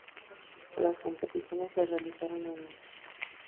Las competiciones se realizaron en el Palais Omnisports de Paris-Bercy.